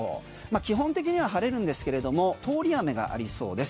基本的には晴れるんですけれども通り雨がありそうです。